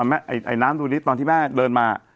ไอ้น้ำดูดิตอนที่แม่เดินมา